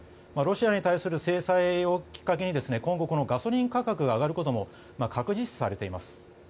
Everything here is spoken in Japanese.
ロシアに対する制裁をきっかけに今後ガソリン価格が上がることも確実視されています。